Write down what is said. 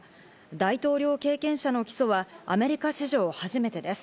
大統領経験者の起訴はアメリカ史上初めてです。